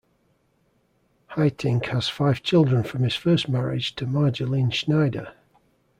Haitink has five children from his first marriage to Marjolein Snijder.